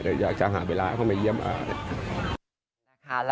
เดี๋ยวอยากจะหาเวลาเข้ามาเยี่ยมอ่ะ